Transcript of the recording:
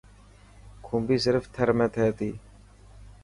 کومبي صرف ٿر ۾ ٿي تي.